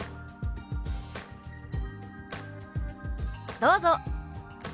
どうぞ！